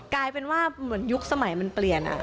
กลายเป็นว่าเหมือนยุคสมัยมันเปลี่ยน